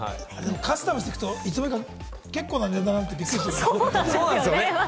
カスタムしていくと、いつの間にか結構な値段見てびっくりする。